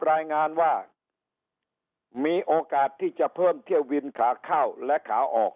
รายงานว่ามีโอกาสที่จะเพิ่มเที่ยวบินขาเข้าและขาออก